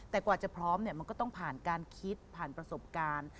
แต่กว่าจะพร้อมเนี่ยมันก็ต้องผ่านการคิดผ่านประสบการณ์